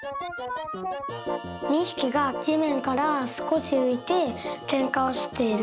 ２ひきがじめんからすこしういてけんかをしている。